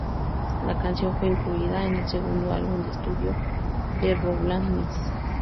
La canción fue incluida en el segundo álbum de estudio de Rowland "Ms.